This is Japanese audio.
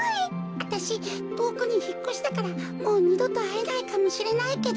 わたしとおくにひっこしたからもうにどとあえないかもしれないけど。